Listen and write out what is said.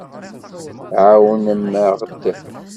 Ɛawnem-aɣ-d.